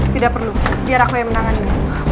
tidak perlu biar aku yang menangani